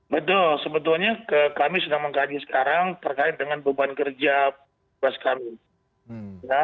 betul sebetulnya kami sedang mengkaji sekarang terkait dengan beban kerja kami